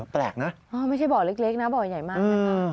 แปลกนะไม่ใช่บ่อเล็กนะบ่อใหญ่มากนะคะ